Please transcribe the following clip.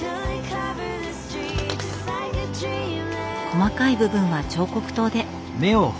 細かい部分は彫刻刀で。